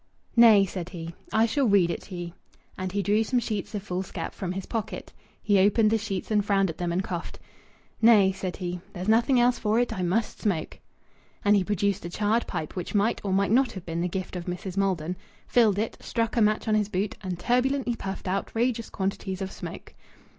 "Nay!" said he. "I shall read it to ye." And he drew some sheets of foolscap from his pocket. He opened the sheets, and frowned at them, and coughed. "Nay!" said he. "There's nothing else for it. I must smoke." And he produced a charred pipe which might or might not have been the gift of Mrs. Maldon, filled it, struck a match on his boot, and turbulently puffed outrageous quantities of smoke.